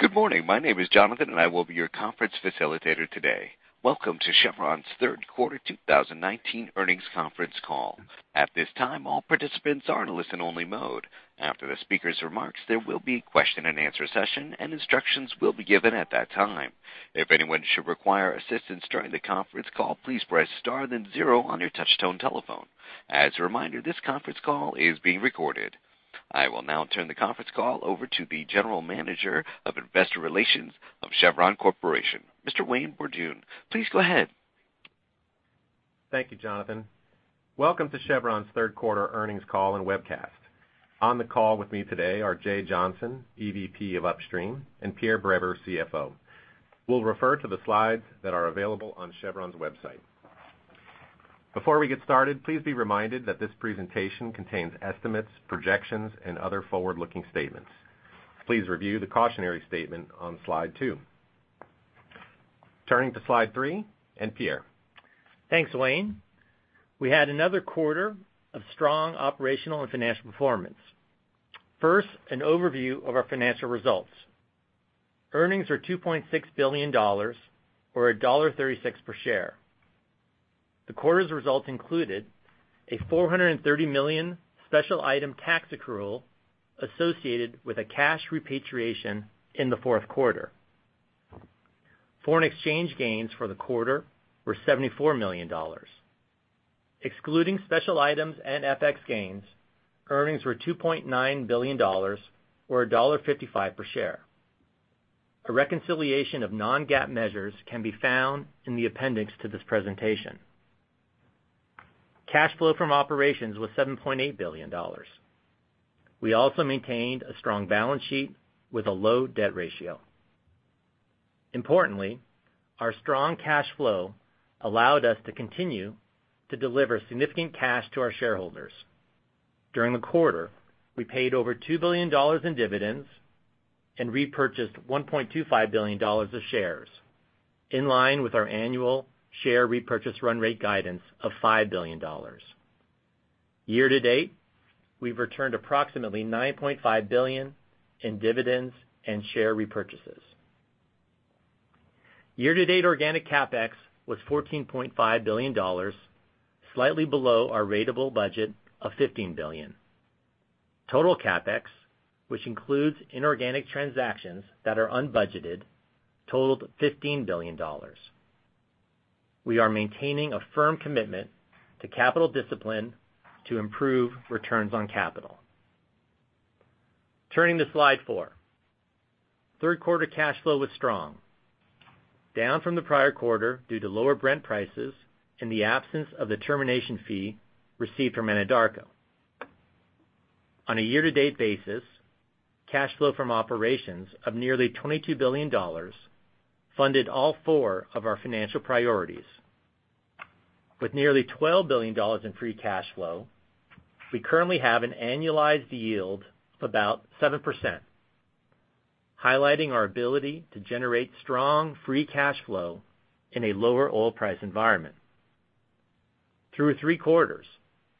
Good morning. My name is Jonathan, and I will be your conference facilitator today. Welcome to Chevron's third quarter 2019 earnings conference call. At this time, all participants are in listen-only mode. After the speakers' remarks, there will be a question and answer session, and instructions will be given at that time. If anyone should require assistance during the conference call, please press star then zero on your touch-tone telephone. As a reminder, this conference call is being recorded. I will now turn the conference call over to the General Manager of Investor Relations of Chevron Corporation, Mr. Wayne Borduin. Please go ahead. Thank you, Jonathan. Welcome to Chevron's third quarter earnings call and webcast. On the call with me today are Jay Johnson, EVP of Upstream, and Pierre Breber, CFO. We'll refer to the slides that are available on Chevron's website. Before we get started, please be reminded that this presentation contains estimates, projections, and other forward-looking statements. Please review the cautionary statement on slide two. Turning to slide three, Pierre. Thanks, Wayne. We had another quarter of strong operational and financial performance. First, an overview of our financial results. Earnings are $2.6 billion, or $1.36 per share. The quarter's results included a $430 million special item tax accrual associated with a cash repatriation in the fourth quarter. Foreign exchange gains for the quarter were $74 million. Excluding special items and FX gains, earnings were $2.9 billion, or $1.55 per share. A reconciliation of non-GAAP measures can be found in the appendix to this presentation. Cash flow from operations was $7.8 billion. We also maintained a strong balance sheet with a low debt ratio. Importantly, our strong cash flow allowed us to continue to deliver significant cash to our shareholders. During the quarter, we paid over $2 billion in dividends and repurchased $1.25 billion of shares, in line with our annual share repurchase run rate guidance of $5 billion. Year-to-date, we've returned approximately $9.5 billion in dividends and share repurchases. Year-to-date organic CapEx was $14.5 billion, slightly below our ratable budget of $15 billion. Total CapEx, which includes inorganic transactions that are unbudgeted, totaled $15 billion. We are maintaining a firm commitment to capital discipline to improve returns on capital. Turning to slide four. Third quarter cash flow was strong, down from the prior quarter due to lower Brent prices and the absence of the termination fee received from Anadarko. On a year-to-date basis, cash flow from operations of nearly $22 billion funded all four of our financial priorities. With nearly $12 billion in free cash flow, we currently have an annualized yield of about 7%, highlighting our ability to generate strong free cash flow in a lower oil price environment. Through three quarters,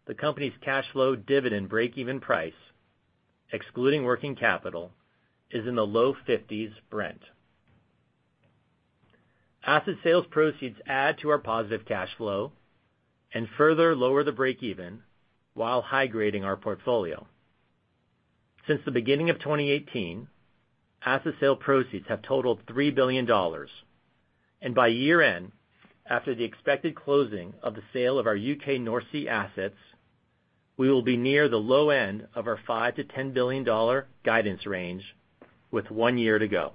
the company's cash flow dividend break-even price, excluding working capital, is in the low 50s Brent. Asset sales proceeds add to our positive cash flow and further lower the break-even while high-grading our portfolio. Since the beginning of 2018, asset sale proceeds have totaled $3 billion, and by year-end, after the expected closing of the sale of our U.K. North Sea assets, we will be near the low end of our $5 billion-$10 billion guidance range with one year to go.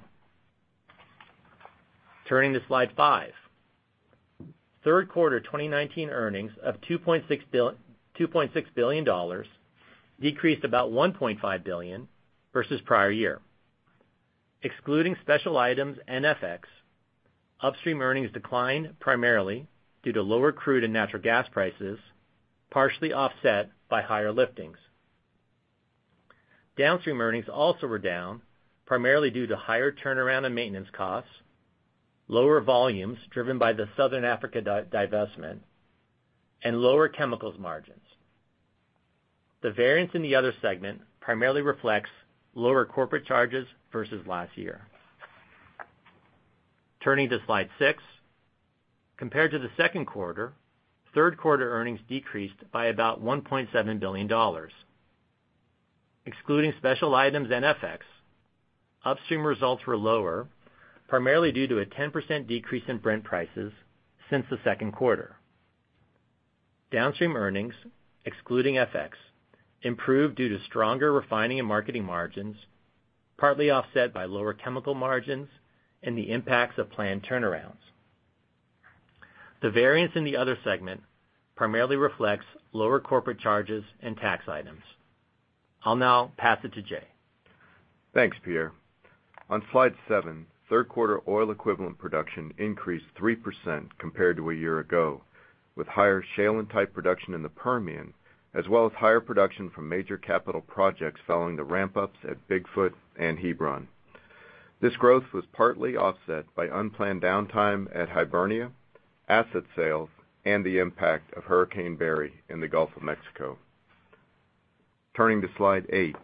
Turning to slide five. Third quarter 2019 earnings of $2.6 billion decreased about $1.5 billion versus prior year. Excluding special items and FX, upstream earnings declined primarily due to lower crude and natural gas prices, partially offset by higher liftings. Downstream earnings also were down, primarily due to higher turnaround and maintenance costs, lower volumes driven by the Southern Africa divestment, and lower chemicals margins. The variance in the other segment primarily reflects lower corporate charges versus last year. Turning to slide six. Compared to the second quarter, third quarter earnings decreased by about $1.7 billion. Excluding special items and FX, upstream results were lower, primarily due to a 10% decrease in Brent prices since the second quarter. Downstream earnings, excluding FX, improved due to stronger refining and marketing margins, partly offset by lower chemical margins and the impacts of planned turnarounds. The variance in the other segment primarily reflects lower corporate charges and tax items. I'll now pass it to Jay. Thanks, Pierre. On slide seven, third quarter oil equivalent production increased 3% compared to a year ago, with higher shale and type production in the Permian, as well as higher production from major capital projects following the ramp-ups at Bigfoot and Hebron. This growth was partly offset by unplanned downtime at Hibernia, asset sales, and the impact of Hurricane Barry in the Gulf of Mexico. Turning to slide eight.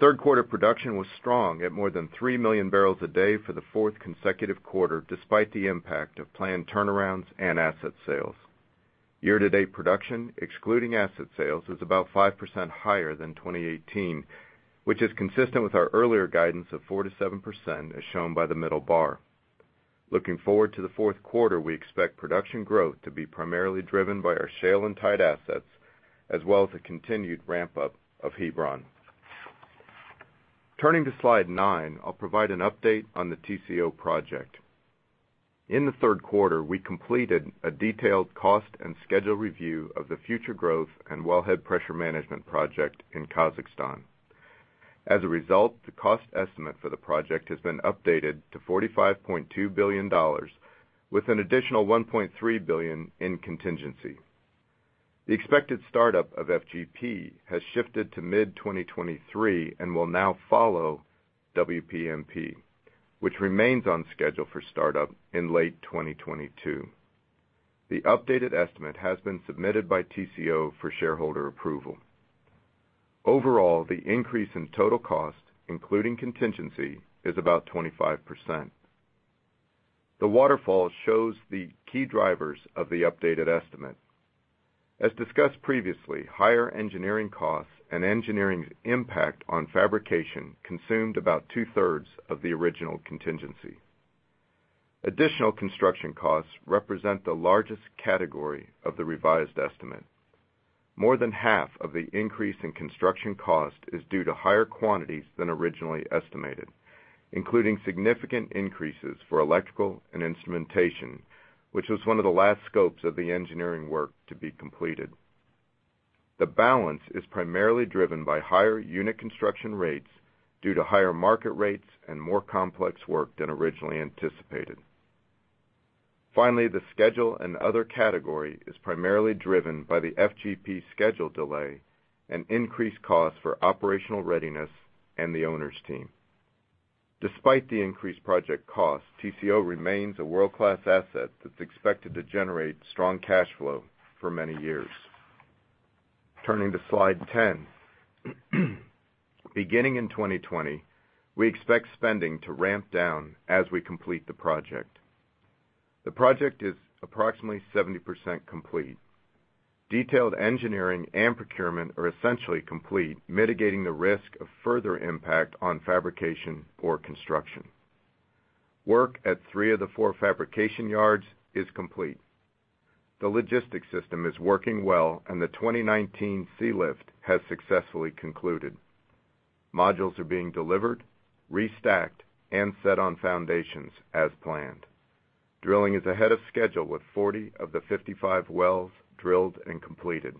Third quarter production was strong at more than three million barrels a day for the fourth consecutive quarter, despite the impact of planned turnarounds and asset sales. Year-to-date production, excluding asset sales, is about 5% higher than 2018, which is consistent with our earlier guidance of 4%-7%, as shown by the middle bar. Looking forward to the fourth quarter, we expect production growth to be primarily driven by our shale and tight assets, as well as the continued ramp-up of Hebron. Turning to slide nine, I'll provide an update on the TCO project. In the third quarter, we completed a detailed cost and schedule review of the Future Growth and Wellhead Pressure Management Project in Kazakhstan. As a result, the cost estimate for the project has been updated to $45.2 billion, with an additional $1.3 billion in contingency. The expected startup of FGP has shifted to mid-2023 and will now follow WPMP, which remains on schedule for startup in late 2022. The updated estimate has been submitted by TCO for shareholder approval. Overall, the increase in total cost, including contingency, is about 25%. The waterfall shows the key drivers of the updated estimate. As discussed previously, higher engineering costs and engineering impact on fabrication consumed about two-thirds of the original contingency. Additional construction costs represent the largest category of the revised estimate. More than half of the increase in construction cost is due to higher quantities than originally estimated, including significant increases for electrical and instrumentation, which was one of the last scopes of the engineering work to be completed. The balance is primarily driven by higher unit construction rates due to higher market rates and more complex work than originally anticipated. Finally, the schedule and other category is primarily driven by the FGP schedule delay and increased costs for operational readiness and the owners' team. Despite the increased project cost, TCO remains a world-class asset that's expected to generate strong cash flow for many years. Turning to slide 10. Beginning in 2020, we expect spending to ramp down as we complete the project. The project is approximately 70% complete. Detailed engineering and procurement are essentially complete, mitigating the risk of further impact on fabrication or construction. Work at three of the four fabrication yards is complete. The logistics system is working well, and the 2019 sea lift has successfully concluded. Modules are being delivered, restacked, and set on foundations as planned. Drilling is ahead of schedule, with 40 of the 55 wells drilled and completed.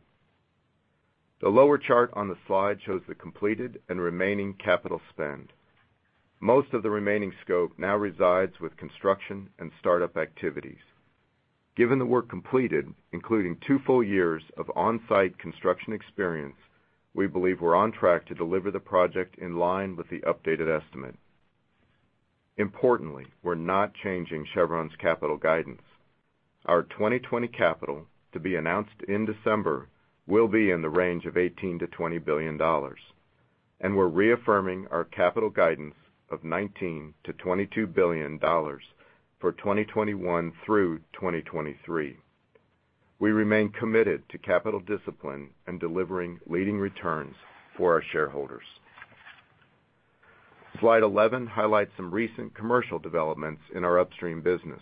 The lower chart on the slide shows the completed and remaining capital spend. Most of the remaining scope now resides with construction and startup activities. Given the work completed, including two full years of on-site construction experience, we believe we're on track to deliver the project in line with the updated estimate. Importantly, we're not changing Chevron's capital guidance. Our 2020 capital, to be announced in December, will be in the range of $18 billion-$20 billion. We're reaffirming our capital guidance of $19 billion-$22 billion for 2021 through 2023. We remain committed to capital discipline and delivering leading returns for our shareholders. Slide 11 highlights some recent commercial developments in our upstream business.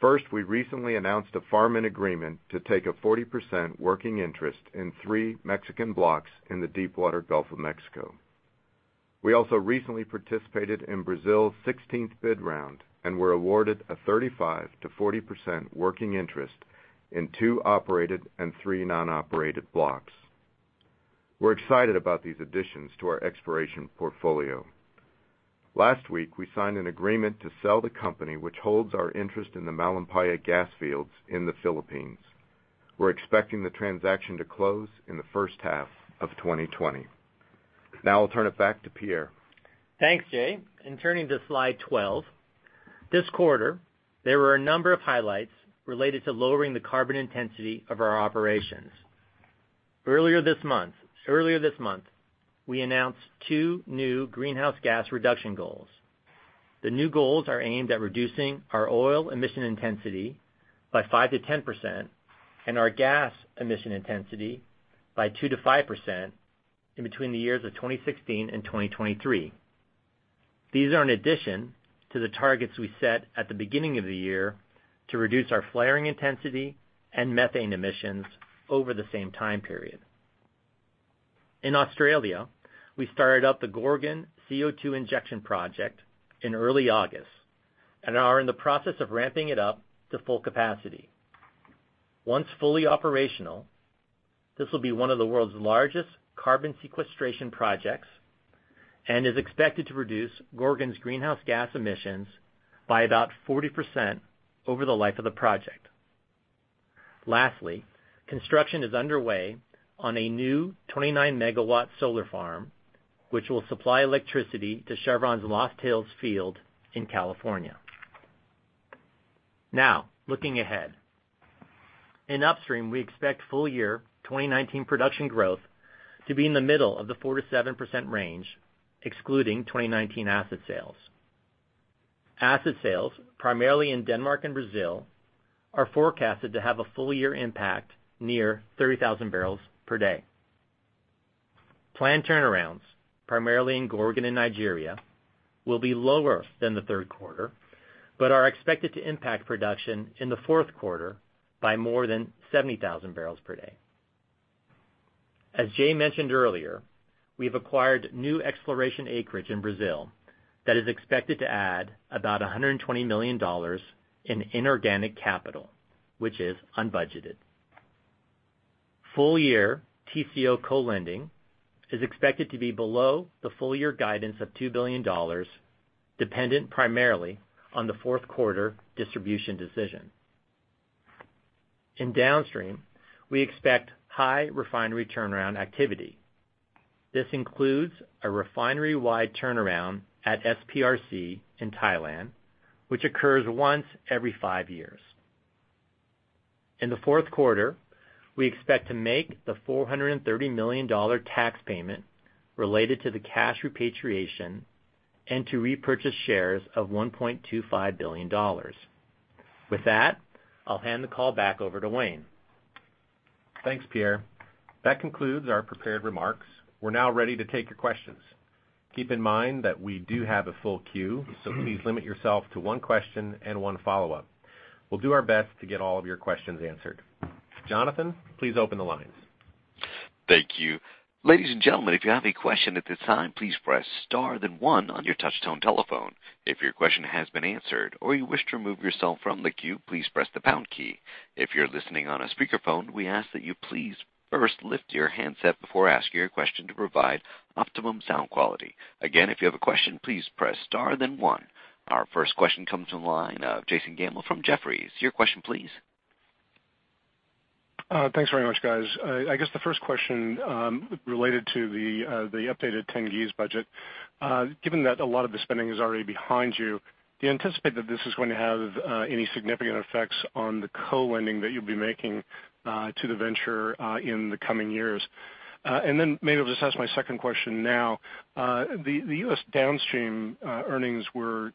First, we recently announced a farm-in agreement to take a 40% working interest in three Mexican blocks in the deepwater Gulf of Mexico. We also recently participated in Brazil's 16th bid round, and were awarded a 35%-40% working interest in two operated and three non-operated blocks. We're excited about these additions to our exploration portfolio. Last week, we signed an agreement to sell the company, which holds our interest in the Malampaya gas fields in the Philippines. We're expecting the transaction to close in the first half of 2020. Now I'll turn it back to Pierre. Thanks, Jay. In turning to slide 12. This quarter, there were a number of highlights related to lowering the carbon intensity of our operations. Earlier this month, we announced two new greenhouse gas reduction goals. The new goals are aimed at reducing our oil emission intensity by 5%-10% and our gas emission intensity by 2%-5% in between the years of 2016 and 2023. These are in addition to the targets we set at the beginning of the year to reduce our flaring intensity and methane emissions over the same time period. In Australia, we started up the Gorgon CO2 Injection Project in early August and are in the process of ramping it up to full capacity. Once fully operational, this will be one of the world's largest carbon sequestration projects and is expected to reduce Gorgon's greenhouse gas emissions by about 40% over the life of the project. Lastly, construction is underway on a new 29-megawatt solar farm, which will supply electricity to Chevron's Lost Hills field in California. Now, looking ahead. In upstream, we expect full-year 2019 production growth to be in the middle of the 4%-7% range, excluding 2019 asset sales. Asset sales, primarily in Denmark and Brazil, are forecasted to have a full-year impact near 30,000 barrels per day. Planned turnarounds, primarily in Gorgon and Nigeria, will be lower than the third quarter but are expected to impact production in the fourth quarter by more than 70,000 barrels per day. As Jay mentioned earlier, we've acquired new exploration acreage in Brazil that is expected to add about $120 million in inorganic capital, which is unbudgeted. Full-year TCO co-lending is expected to be below the full-year guidance of $2 billion, dependent primarily on the fourth quarter distribution decision. In downstream, we expect high refinery turnaround activity. This includes a refinery-wide turnaround at SPRC in Thailand, which occurs once every five years. In the fourth quarter, we expect to make the $430 million tax payment related to the cash repatriation and to repurchase shares of $1.25 billion. With that, I'll hand the call back over to Wayne. Thanks, Pierre. That concludes our prepared remarks. We're now ready to take your questions. Keep in mind that we do have a full queue, so please limit yourself to one question and one follow-up. We'll do our best to get all of your questions answered. Jonathan, please open the lines. Thank you. Ladies and gentlemen, if you have a question at this time, please press star then one on your touch-tone telephone. If your question has been answered or you wish to remove yourself from the queue, please press the pound key. If you're listening on a speakerphone, we ask that you please first lift your handset before asking your question to provide optimum sound quality. Again, if you have a question, please press star then one. Our first question comes from the line of Jason Gammel from Jefferies. Your question please. Thanks very much, guys. I guess the first question related to the updated Tengiz budget. Given that a lot of the spending is already behind you, do you anticipate that this is going to have any significant effects on the co-lending that you'll be making to the venture in the coming years? Maybe I'll just ask my second question now. The U.S. downstream earnings were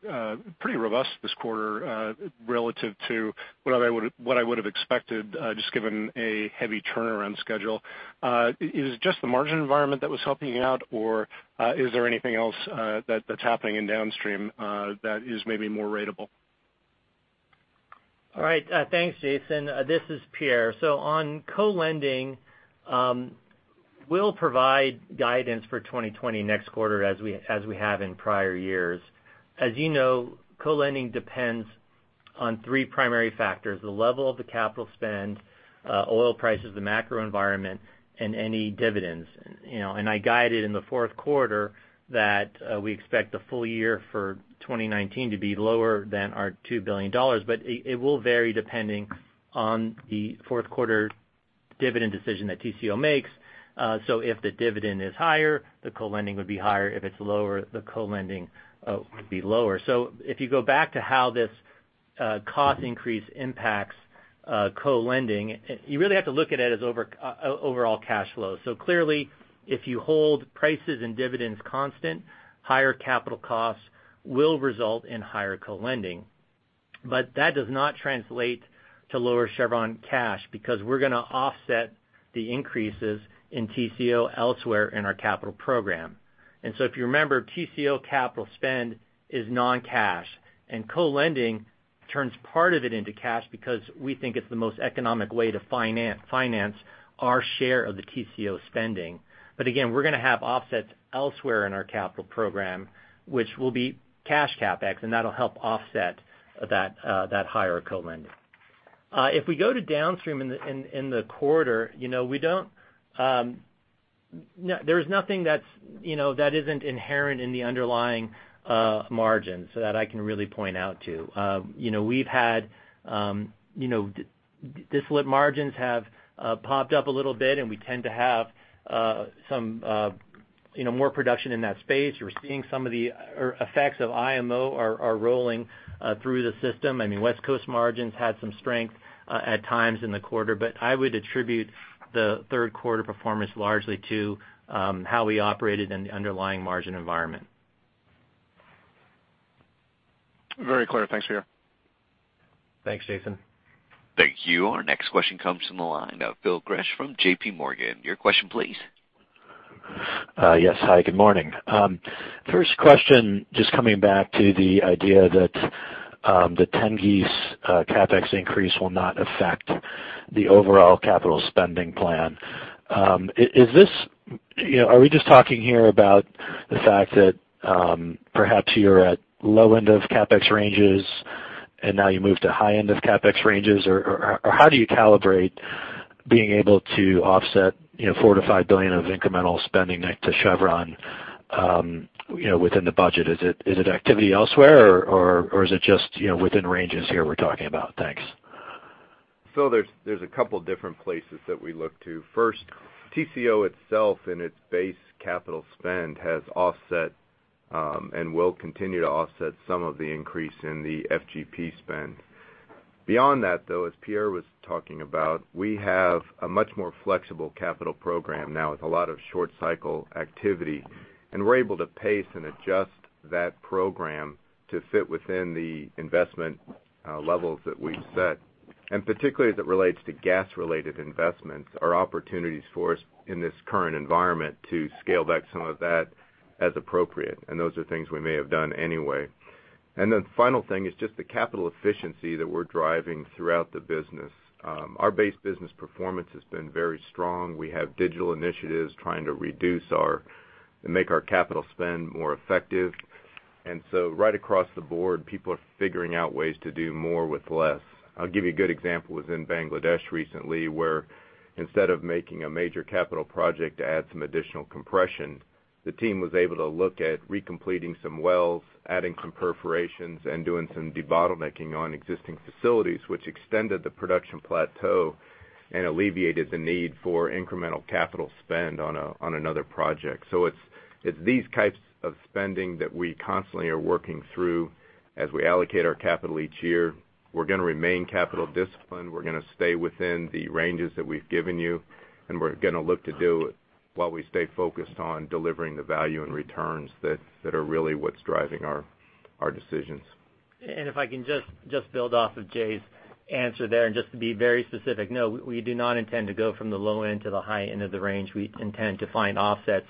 pretty robust this quarter relative to what I would've expected, just given a heavy turnaround schedule. Is it just the margin environment that was helping you out? Is there anything else that's happening in downstream that is maybe more ratable? All right. Thanks, Jason. This is Pierre. On co-lending, we'll provide guidance for 2020 next quarter as we have in prior years. As you know, co-lending depends on three primary factors: the level of the capital spend, oil prices, the macro environment, and any dividends. I guided in the fourth quarter that we expect the full year for 2019 to be lower than our $2 billion, but it will vary depending on the fourth quarter dividend decision that Tengizchevroil makes. If the dividend is higher, the co-lending would be higher. If it's lower, the co-lending would be lower. If you go back to how this cost increase impacts co-lending, you really have to look at it as overall cash flow. Clearly, if you hold prices and dividends constant, higher capital costs will result in higher co-lending. That does not translate to lower Chevron cash because we're going to offset the increases in Tengizchevroil elsewhere in our capital program. So if you remember, Tengizchevroil capital spend is non-cash, and co-lending turns part of it into cash because we think it's the most economic way to finance our share of the Tengizchevroil spending. Again, we're going to have offsets elsewhere in our capital program, which will be cash CapEx, and that'll help offset that higher co-lending. If we go to downstream in the quarter, there is nothing that isn't inherent in the underlying margins that I can really point out to. Distillate margins have popped up a little bit, and we tend to have more production in that space. We're seeing some of the effects of IMO are rolling through the system. West Coast margins had some strength at times in the quarter. I would attribute the third quarter performance largely to how we operated in the underlying margin environment. Very clear. Thanks, Pierre. Thanks, Jason. Thank you. Our next question comes from the line of Phil Gresh from J.P. Morgan. Your question please. Yes. Hi, good morning. First question, just coming back to the idea that the Tengiz CapEx increase will not affect the overall capital spending plan. Are we just talking here about the fact that perhaps you're at low end of CapEx ranges and now you move to high end of CapEx ranges? How do you calibrate being able to offset $4 billion-$5 billion of incremental spending to Chevron within the budget? Is it activity elsewhere, or is it just within ranges here we're talking about? Thanks. There's a couple different places that we look to. First, Tengizchevroil itself and its base capital spend has offset, and will continue to offset some of the increase in the FGP spend. Beyond that, though, as Pierre was talking about, we have a much more flexible capital program now with a lot of short-cycle activity, and we're able to pace and adjust that program to fit within the investment levels that we've set. Particularly as it relates to gas-related investments, are opportunities for us in this current environment to scale back some of that as appropriate. Those are things we may have done anyway. Final thing is just the capital efficiency that we're driving throughout the business. Our base business performance has been very strong. We have digital initiatives trying to make our capital spend more effective. Right across the board, people are figuring out ways to do more with less. I'll give you a good example within Bangladesh recently, where instead of making a major capital project to add some additional compression, the team was able to look at re-completing some wells, adding some perforations, and doing some debottlenecking on existing facilities, which extended the production plateau and alleviated the need for incremental capital spend on another project. It's these types of spending that we constantly are working through as we allocate our capital each year. We're going to remain capital disciplined. We're going to stay within the ranges that we've given you, and we're going to look to do it while we stay focused on delivering the value and returns that are really what's driving our decisions. If I can just build off of Jay's answer there, and just to be very specific, no, we do not intend to go from the low end to the high end of the range. We intend to find offsets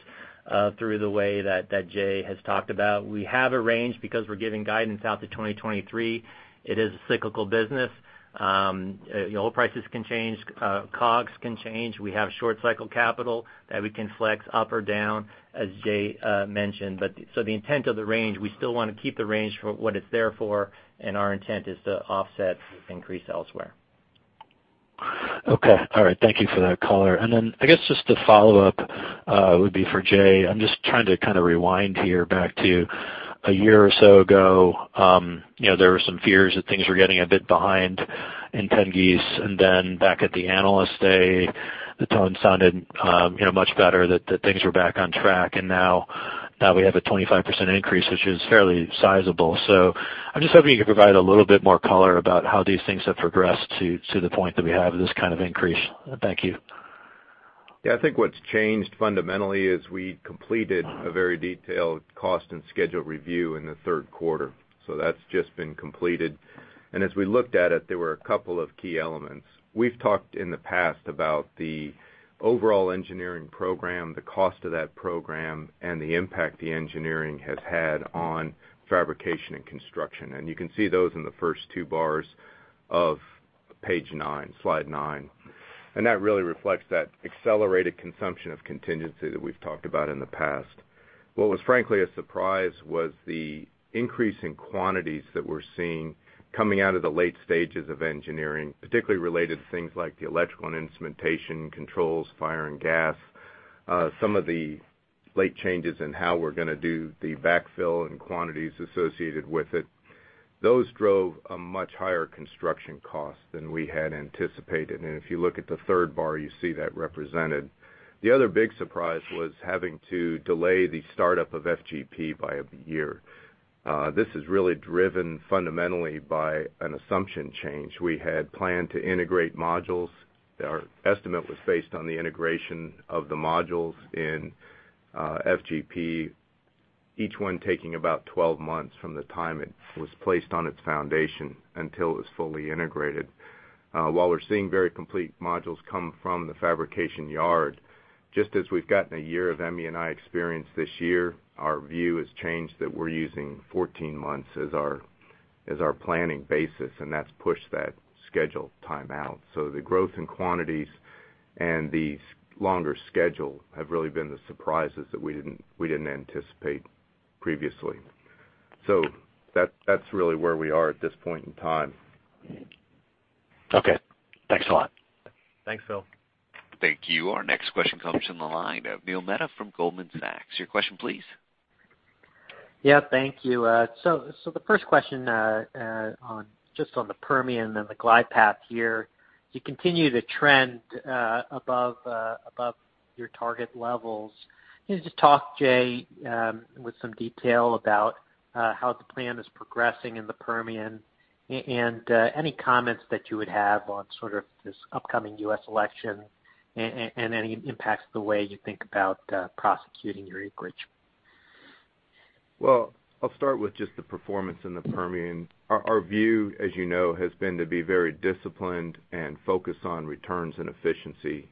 through the way that Jay has talked about. We have a range because we're giving guidance out to 2023. It is a cyclical business. Oil prices can change. COGS can change. We have short-cycle capital that we can flex up or down, as Jay mentioned. The intent of the range, we still want to keep the range for what it's there for, and our intent is to offset with increase elsewhere. Okay. All right. Thank you for that color. I guess just a follow-up would be for Jay. I'm just trying to kind of rewind here back to a year or so ago. There were some fears that things were getting a bit behind in Tengiz, and then back at the Analyst Day, the tone sounded much better, that things were back on track. Now we have a 25% increase, which is fairly sizable. I'm just hoping you could provide a little bit more color about how these things have progressed to the point that we have this kind of increase. Thank you. I think what's changed fundamentally is we completed a very detailed cost and schedule review in the third quarter. That's just been completed. As we looked at it, there were a couple of key elements. We've talked in the past about the overall engineering program, the cost of that program, and the impact the engineering has had on fabrication and construction. You can see those in the first two bars of page nine, slide nine. That really reflects that accelerated consumption of contingency that we've talked about in the past. What was frankly a surprise was the increase in quantities that we're seeing coming out of the late stages of engineering, particularly related to things like the electrical and instrumentation controls, fire and gas. Some of the late changes in how we're going to do the backfill and quantities associated with it. Those drove a much higher construction cost than we had anticipated. If you look at the third bar, you see that represented. The other big surprise was having to delay the startup of FGP by a year. This is really driven fundamentally by an assumption change. We had planned to integrate modules. Our estimate was based on the integration of the modules in FGP, each one taking about 12 months from the time it was placed on its foundation until it was fully integrated. While we're seeing very complete modules come from the fabrication yard, just as we've gotten a year of M&I experience this year, our view has changed that we're using 14 months as our planning basis, and that's pushed that schedule time out. The growth in quantities and the longer schedule have really been the surprises that we didn't anticipate previously. That's really where we are at this point in time. Okay. Thanks a lot. Thanks, Phil. Thank you. Our next question comes from the line of Neil Mehta from Goldman Sachs. Your question, please. Yeah, thank you. The first question just on the Permian and the glide path here. You continue to trend above your target levels. Can you just talk, Jay, with some detail about how the plan is progressing in the Permian, and any comments that you would have on sort of this upcoming U.S. election, and any impacts the way you think about prosecuting your acreage? Well, I'll start with just the performance in the Permian. Our view, as you know, has been to be very disciplined and focused on returns and efficiency.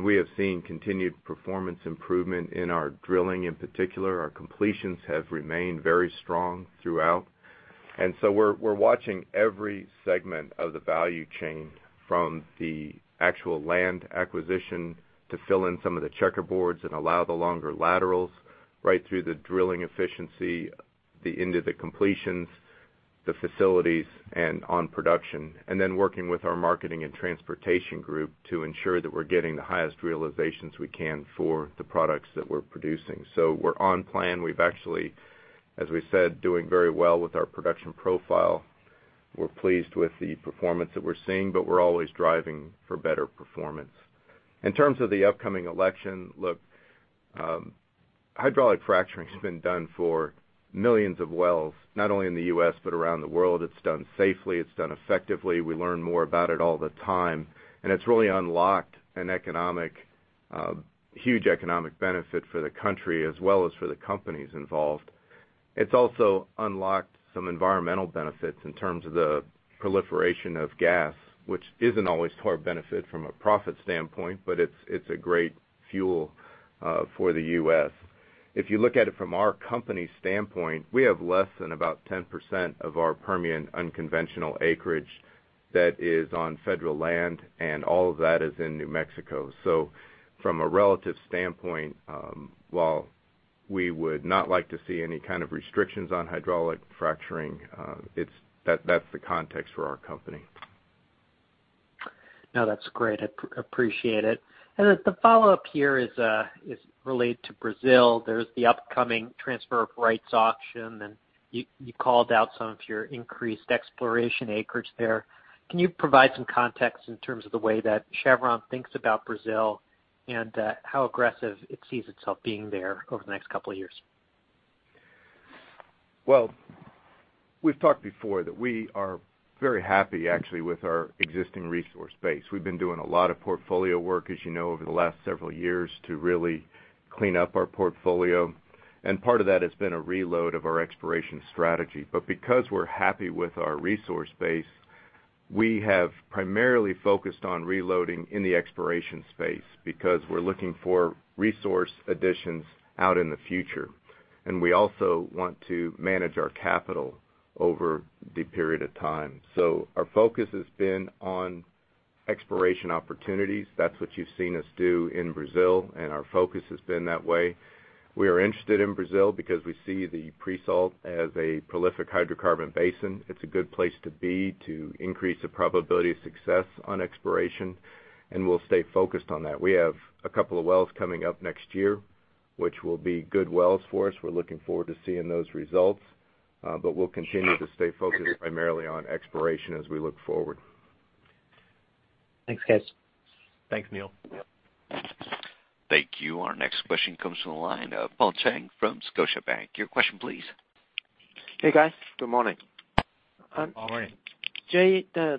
We have seen continued performance improvement in our drilling, in particular. Our completions have remained very strong throughout. We're watching every segment of the value chain, from the actual land acquisition to fill in some of the checkerboards and allow the longer laterals, right through the drilling efficiency, the end of the completions, the facilities, and on production. Working with our marketing and transportation group to ensure that we're getting the highest realizations we can for the products that we're producing. We're on plan. We're actually, as we said, doing very well with our production profile. We're pleased with the performance that we're seeing, but we're always driving for better performance. In terms of the upcoming election, look, hydraulic fracturing has been done for millions of wells, not only in the U.S. but around the world. It's done safely, it's done effectively. It's really unlocked a huge economic benefit for the country as well as for the companies involved. It's also unlocked some environmental benefits in terms of the proliferation of gas, which isn't always to our benefit from a profit standpoint, but it's a great fuel for the U.S. If you look at it from our company standpoint, we have less than about 10% of our Permian unconventional acreage that is on federal land, and all of that is in New Mexico. From a relative standpoint, while we would not like to see any kind of restrictions on hydraulic fracturing, that's the context for our company. No, that's great. I appreciate it. The follow-up here is related to Brazil. There's the upcoming transfer of rights auction, and you called out some of your increased exploration acreage there. Can you provide some context in terms of the way that Chevron thinks about Brazil and how aggressive it sees itself being there over the next couple of years? Well, we've talked before that we are very happy actually with our existing resource base. We've been doing a lot of portfolio work, as you know, over the last several years to really clean up our portfolio, and part of that has been a reload of our exploration strategy. Because we're happy with our resource base, we have primarily focused on reloading in the exploration space because we're looking for resource additions out in the future, and we also want to manage our capital over the period of time. Our focus has been on exploration opportunities. That's what you've seen us do in Brazil, and our focus has been that way. We are interested in Brazil because we see the pre-salt as a prolific hydrocarbon basin. It's a good place to be to increase the probability of success on exploration, and we'll stay focused on that. We have a couple of wells coming up next year, which will be good wells for us. We're looking forward to seeing those results. We'll continue to stay focused primarily on exploration as we look forward. Thanks, guys. Thanks, Neil. Thank you. Our next question comes from the line of Paul Cheng from Scotiabank. Your question please. Hey, guys. Good morning. Good morning. Jay, don't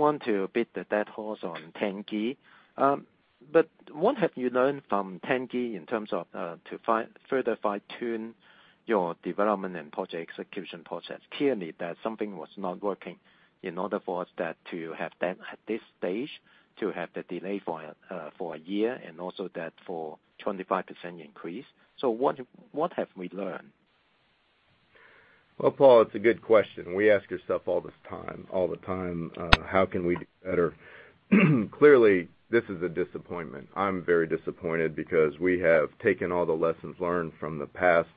want to beat the dead horse on Tengiz. What have you learned from Tengiz in terms of to further fine-tune your development and project execution process? Clearly that something was not working in order for that to have them at this stage to have the delay for a year and also that for 25% increase. What have we learned? Well, Paul, it's a good question. We ask ourselves all the time, how can we do better? Clearly, this is a disappointment. I'm very disappointed because we have taken all the lessons learned from the past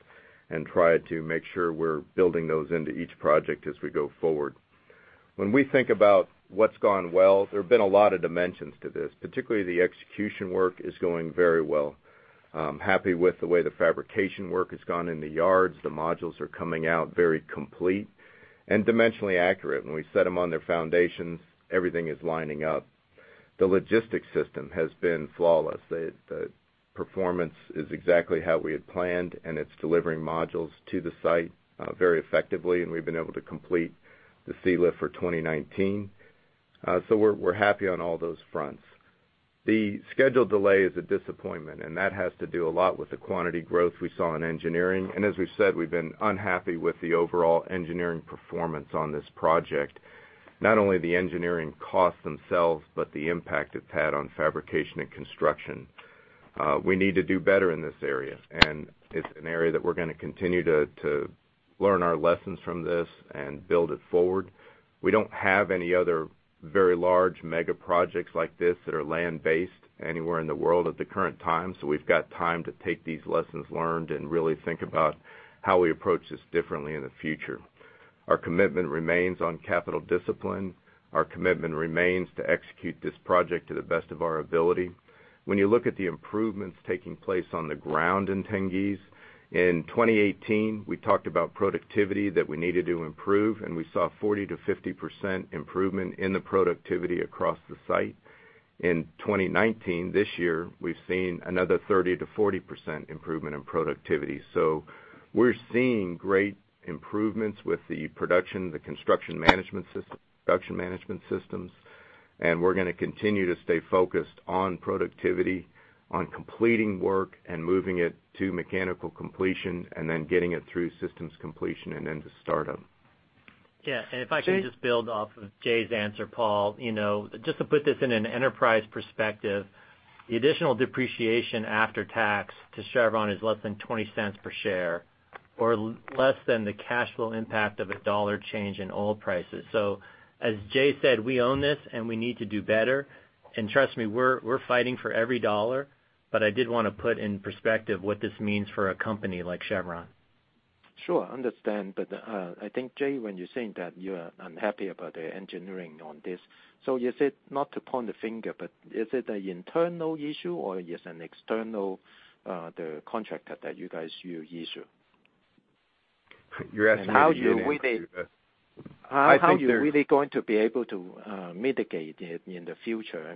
and tried to make sure we're building those into each project as we go forward. When we think about what's gone well, there have been a lot of dimensions to this, particularly the execution work is going very well. I'm happy with the way the fabrication work has gone in the yards. The modules are coming out very complete and dimensionally accurate. When we set them on their foundations, everything is lining up. The logistics system has been flawless. The performance is exactly how we had planned, and it's delivering modules to the site very effectively, and we've been able to complete the sea lift for 2019. We're happy on all those fronts. The schedule delay is a disappointment, and that has to do a lot with the quantity growth we saw in engineering. As we've said, we've been unhappy with the overall engineering performance on this project. Not only the engineering costs themselves but the impact it's had on fabrication and construction. We need to do better in this area, and it's an area that we're going to continue to learn our lessons from this and build it forward. We don't have any other very large mega projects like this that are land-based anywhere in the world at the current time. We've got time to take these lessons learned and really think about how we approach this differently in the future. Our commitment remains on capital discipline. Our commitment remains to execute this project to the best of our ability. When you look at the improvements taking place on the ground in Tengiz, in 2018, we talked about productivity that we needed to improve, and we saw 40%-50% improvement in the productivity across the site. In 2019, this year, we've seen another 30%-40% improvement in productivity. We're seeing great improvements with the production, the construction management systems, production management systems, and we're going to continue to stay focused on productivity, on completing work, and moving it to mechanical completion, and then getting it through systems completion and then to start them. Yeah. If I can just build off of Jay's answer, Paul, just to put this in an enterprise perspective, the additional depreciation after tax to Chevron is less than $0.20 per share or less than the cash flow impact of a $1 change in oil prices. As Jay said, we own this, and we need to do better. Trust me, we're fighting for every dollar, but I did want to put in perspective what this means for a company like Chevron. Sure. Understand. I think, Jay, when you're saying that you are unhappy about the engineering on this, is it not to point the finger, but is it an internal issue, or is an external, the contractor that you guys use issue? You're asking how we- How are you really going to be able to mitigate it in the future?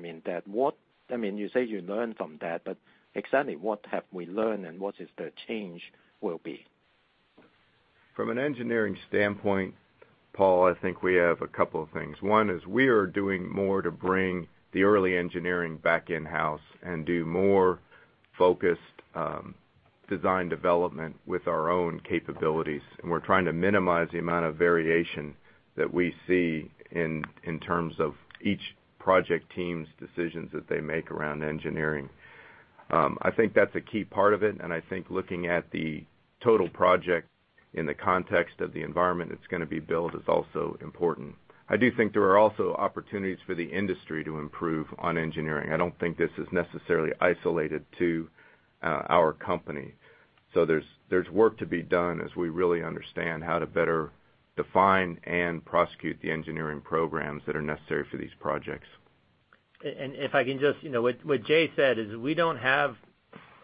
You say you learned from that, but exactly what have we learned and what is the change will be? From an engineering standpoint, Paul, I think we have a couple of things. One is we are doing more to bring the early engineering back in-house and do more focused design development with our own capabilities, and we're trying to minimize the amount of variation that we see in terms of each project team's decisions that they make around engineering. I think that's a key part of it, and I think looking at the total project in the context of the environment it's going to be built is also important. I do think there are also opportunities for the industry to improve on engineering. I don't think this is necessarily isolated to our company. There's work to be done as we really understand how to better define and prosecute the engineering programs that are necessary for these projects. If I can just What Jay said is we don't have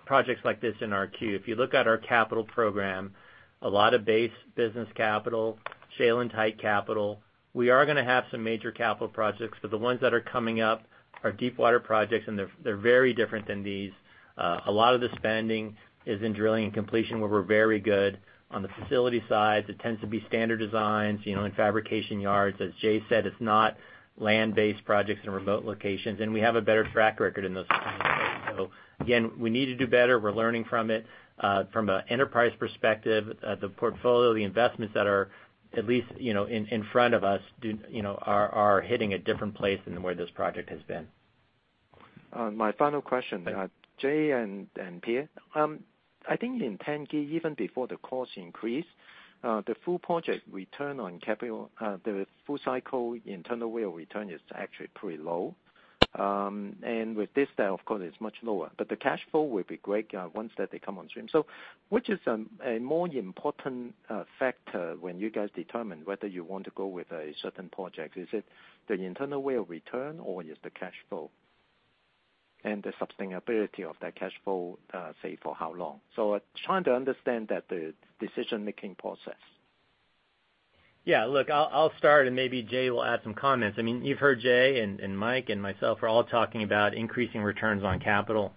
projects like this in our queue. If you look at our capital program, a lot of base business capital, shale and tight capital. We are going to have some major capital projects, but the ones that are coming up are deepwater projects, and they're very different than these. A lot of the spending is in drilling and completion, where we're very good. On the facility side, it tends to be standard designs, in fabrication yards. As Jay said, it's not land-based projects in remote locations, and we have a better track record in those kinds. Again, we need to do better. We're learning from it. From an enterprise perspective, the portfolio, the investments that are at least in front of us are hitting a different place than where this project has been. My final question. Jay and Pierre, I think in Tengiz, even before the cost increase, the full project return on capital, the full cycle internal rate of return is actually pretty low. With this style, of course, it's much lower, but the cash flow will be great once that they come on stream. Which is a more important factor when you guys determine whether you want to go with a certain project? Is it the internal rate of return, or is the cash flow and the sustainability of that cash flow, say, for how long? Trying to understand the decision-making process. Look, I'll start, and maybe Jay will add some comments. You've heard Jay and Mike and myself are all talking about increasing returns on capital.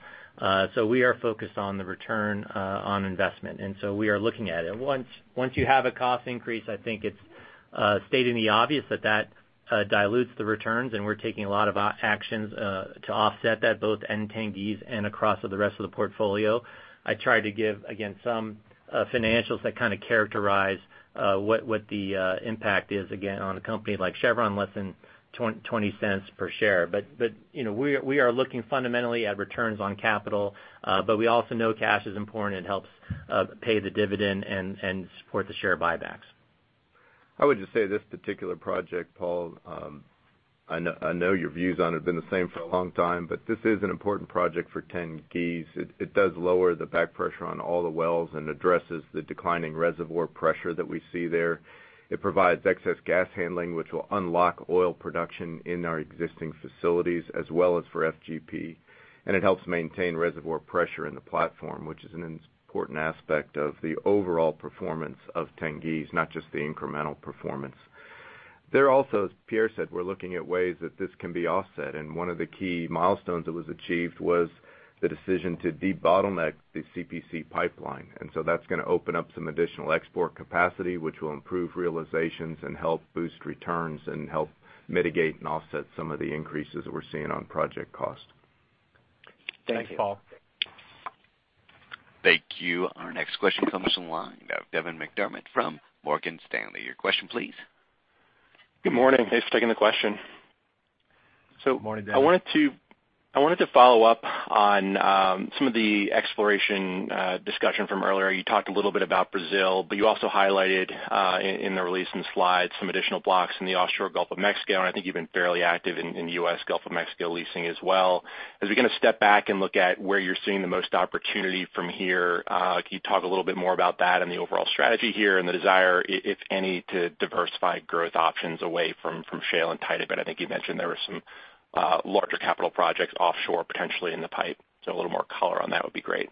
We are focused on the return on investment. We are looking at it. Once you have a cost increase, I think it's stating the obvious that that dilutes the returns, and we're taking a lot of actions to offset that, both in Tengiz and across the rest of the portfolio. I tried to give, again, some financials that characterize what the impact is, again, on a company like Chevron, less than $0.20 per share. We are looking fundamentally at returns on capital. We also know cash is important. It helps pay the dividend and support the share buybacks. I would just say this particular project, Paul, I know your views on it have been the same for a long time, but this is an important project for Tengiz. It does lower the back pressure on all the wells and addresses the declining reservoir pressure that we see there. It provides excess gas handling, which will unlock oil production in our existing facilities as well as for FGP. It helps maintain reservoir pressure in the platform, which is an important aspect of the overall performance of Tengiz, not just the incremental performance. There also, as Pierre said, we're looking at ways that this can be offset, and one of the key milestones that was achieved was the decision to debottleneck the CPC pipeline. That's going to open up some additional export capacity, which will improve realizations and help boost returns and help mitigate and offset some of the increases that we're seeing on project cost. Thank you. Thanks, Paul. Thank you. Our next question comes from the line of Devin McDermott from Morgan Stanley. Your question, please. Good morning. Thanks for taking the question. Good morning, Devin. I wanted to follow up on some of the exploration discussion from earlier. You talked a little bit about Brazil. You also highlighted in the release and slides some additional blocks in the offshore Gulf of Mexico, and I think you've been fairly active in the U.S. Gulf of Mexico leasing as well. As we kind of step back and look at where you're seeing the most opportunity from here, can you talk a little bit more about that and the overall strategy here and the desire, if any, to diversify growth options away from shale and tight oil? I think you mentioned there were some larger capital projects offshore, potentially in the pipe. A little more color on that would be great.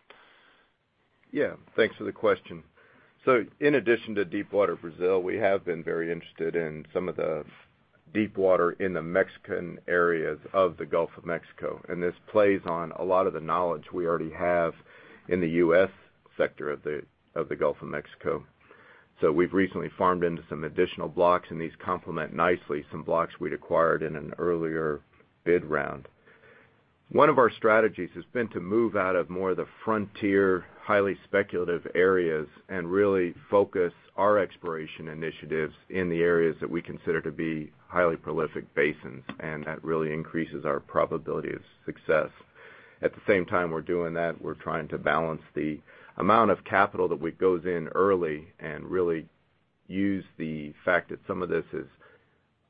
Thanks for the question. In addition to deepwater Brazil, we have been very interested in some of the deepwater in the Mexican areas of the Gulf of Mexico, and this plays on a lot of the knowledge we already have in the U.S. sector of the Gulf of Mexico. We've recently farmed into some additional blocks, and these complement nicely some blocks we'd acquired in an earlier bid round. One of our strategies has been to move out of more of the frontier, highly speculative areas and really focus our exploration initiatives in the areas that we consider to be highly prolific basins, and that really increases our probability of success. At the same time we're doing that, we're trying to balance the amount of capital that goes in early and really use the fact that some of this is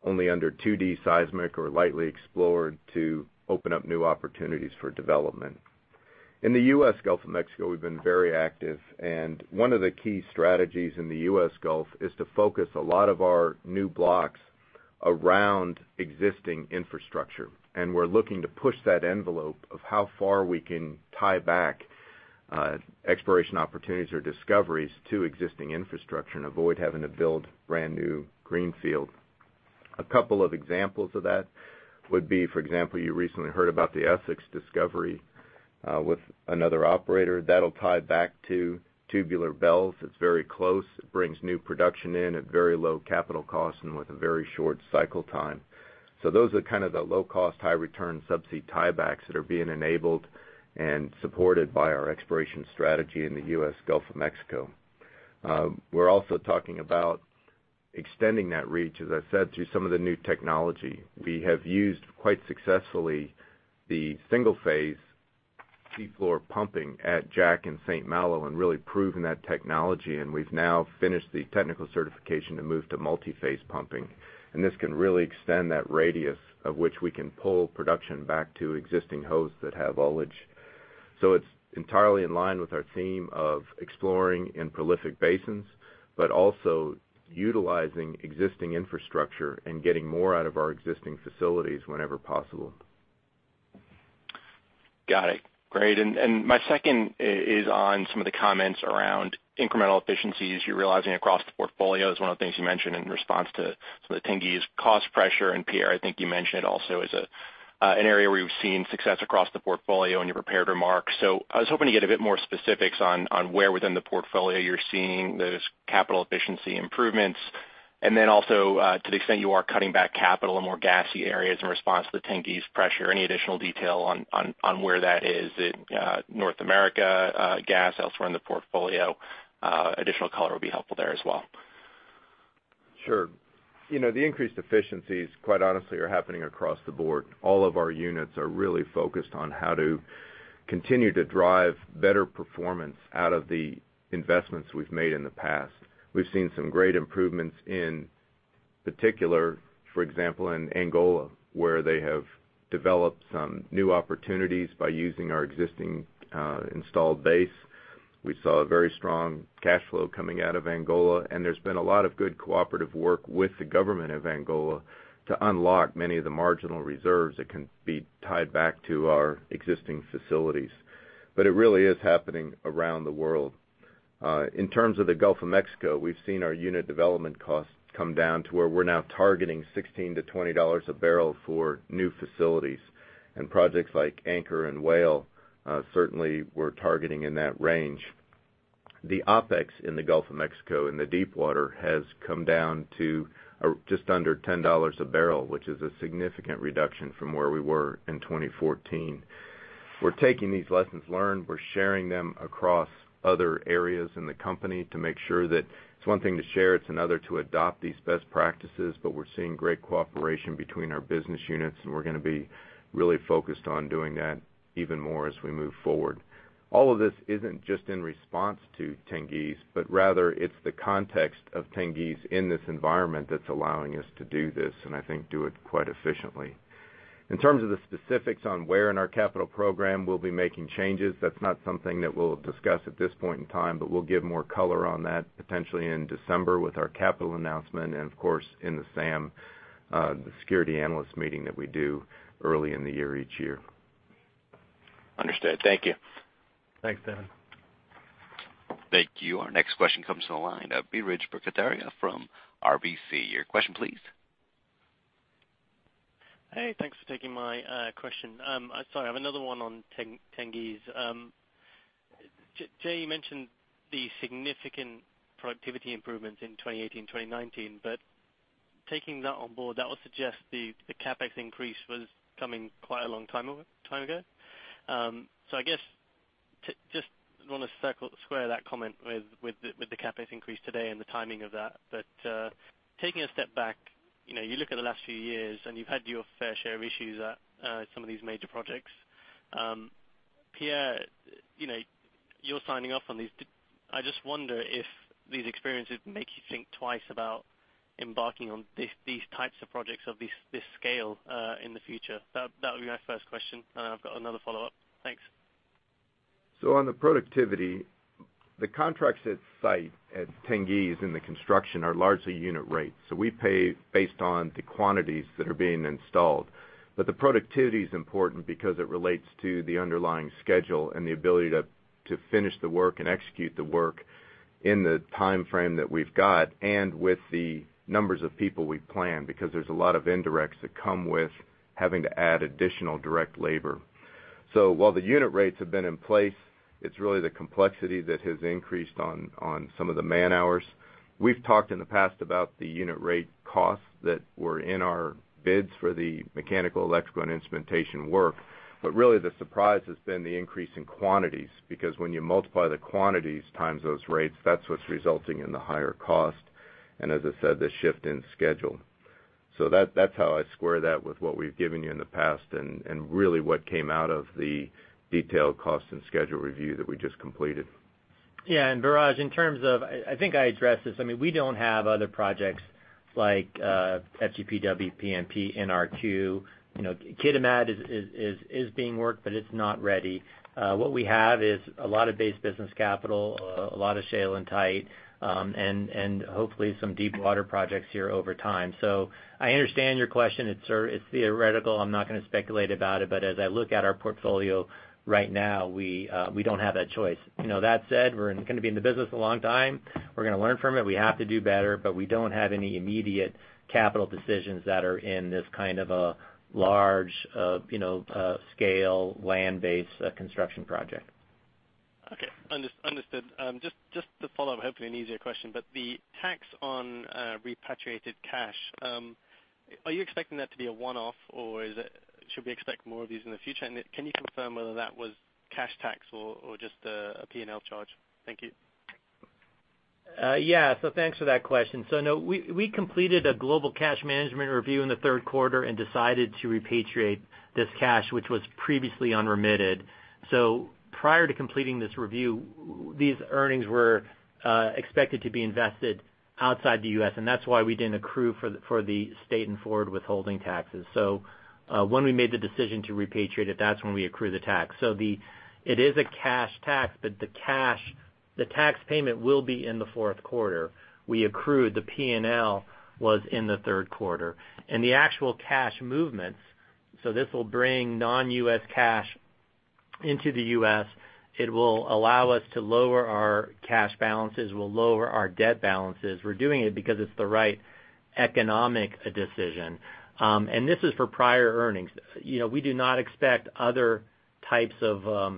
only under 2D seismic or lightly explored to open up new opportunities for development. In the U.S. Gulf of Mexico, we've been very active, and one of the key strategies in the U.S. Gulf is to focus a lot of our new blocks around existing infrastructure. We're looking to push that envelope of how far we can tie back exploration opportunities or discoveries to existing infrastructure and avoid having to build brand-new greenfield. A couple of examples of that would be, for example, you recently heard about the Essex discovery with another operator. That'll tie back to Tubular Bells. It's very close. It brings new production in at very low capital costs and with a very short cycle time. Those are kind of the low-cost, high-return subsea tiebacks that are being enabled and supported by our exploration strategy in the U.S. Gulf of Mexico. We're also talking about extending that reach, as I said, through some of the new technology. We have used quite successfully the single-phase seafloor pumping at Jack and St. Malo and really proven that technology, and we've now finished the technical certification to move to multi-phase pumping. This can really extend that radius of which we can pull production back to existing hosts that have oilage. It's entirely in line with our theme of exploring in prolific basins, but also utilizing existing infrastructure and getting more out of our existing facilities whenever possible. Got it. Great, and my second is on some of the comments around incremental efficiencies you're realizing across the portfolio is one of the things you mentioned in response to the Tengiz cost pressure, and Pierre, I think you mentioned it also as an area where you've seen success across the portfolio in your prepared remarks. I was hoping to get a bit more specifics on where within the portfolio you're seeing those capital efficiency improvements. Also, to the extent you are cutting back capital in more gassy areas in response to the Tengiz pressure, any additional detail on where that is in North America gas, elsewhere in the portfolio? Additional color will be helpful there as well. Sure. The increased efficiencies, quite honestly, are happening across the board. All of our units are really focused on how to continue to drive better performance out of the investments we've made in the past. We've seen some great improvements in particular, for example, in Angola, where they have developed some new opportunities by using our existing installed base. We saw a very strong cash flow coming out of Angola, and there's been a lot of good cooperative work with the government of Angola to unlock many of the marginal reserves that can be tied back to our existing facilities. It really is happening around the world. In terms of the Gulf of Mexico, we've seen our unit development costs come down to where we're now targeting $16-$20 a barrel for new facilities, and projects like Anchor and Whale certainly we're targeting in that range. The OPEX in the Gulf of Mexico in the deepwater has come down to just under $10 a barrel, which is a significant reduction from where we were in 2014. We're taking these lessons learned. We're sharing them across other areas in the company to make sure that it's one thing to share, it's another to adopt these best practices. We're seeing great cooperation between our business units, and we're going to be really focused on doing that even more as we move forward. All of this isn't just in response to Tengiz, but rather it's the context of Tengiz in this environment that's allowing us to do this, and I think do it quite efficiently. In terms of the specifics on where in our capital program we'll be making changes, that's not something that we'll discuss at this point in time. We'll give more color on that potentially in December with our capital announcement and of course, in the SAM, the Security Analyst Meeting that we do early in the year each year. Understood. Thank you. Thanks, Devin. Thank you. Our next question comes from the line of Biraj Borkhataria from RBC. Your question, please. Hey, thanks for taking my question. Sorry, I have another one on Tengiz. Jay, you mentioned the significant productivity improvements in 2018, 2019. Taking that on board, that would suggest the CapEx increase was coming quite a long time ago. I guess just want to square that comment with the CapEx increase today and the timing of that. Taking a step back, you look at the last few years and you've had your fair share of issues at some of these major projects. Pierre, you're signing off on these. I just wonder if these experiences make you think twice about embarking on these types of projects of this scale in the future. That would be my first question, and I've got another follow-up. Thanks. On the productivity, the contracts at site at Tengiz in the construction are largely unit rates. The productivity is important because it relates to the underlying schedule and the ability to finish the work and execute the work in the time frame that we've got and with the numbers of people we plan, because there's a lot of indirects that come with having to add additional direct labor. While the unit rates have been in place, it's really the complexity that has increased on some of the man-hours. We've talked in the past about the unit rate costs that were in our bids for the mechanical, electrical, and instrumentation work. Really the surprise has been the increase in quantities, because when you multiply the quantities times those rates, that's what's resulting in the higher cost, and as I said, the shift in schedule. That's how I square that with what we've given you in the past and really what came out of the detailed cost and schedule review that we just completed. Biraj, I think I addressed this. We don't have other projects like FGP-WPMP in our queue. Kitimat is being worked, but it's not ready. What we have is a lot of base business capital, a lot of shale and tight and hopefully some deepwater projects here over time. I understand your question. It's theoretical. I'm not going to speculate about it, but as I look at our portfolio right now, we don't have that choice. That said, we're going to be in the business a long time. We're going to learn from it. We have to do better, but we don't have any immediate capital decisions that are in this kind of a large scale land-based construction project. Okay. Understood. Just to follow up, hopefully an easier question, the tax on repatriated cash, are you expecting that to be a one-off or should we expect more of these in the future? Can you confirm whether that was cash tax or just a P&L charge? Thank you. Thanks for that question. No, we completed a global cash management review in the third quarter and decided to repatriate this cash, which was previously unremitted. Prior to completing this review, these earnings were expected to be invested outside the U.S., and that's why we didn't accrue for the state and forward withholding taxes. When we made the decision to repatriate it, that's when we accrue the tax. It is a cash tax, but the tax payment will be in the fourth quarter. We accrued the P&L was in the third quarter. The actual cash movements, so this will bring non-U.S. cash into the U.S. It will allow us to lower our cash balances. We'll lower our debt balances. We're doing it because it's the right economic decision. This is for prior earnings. We do not expect other types of